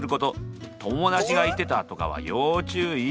「友だちが言ってた」とかは要注意！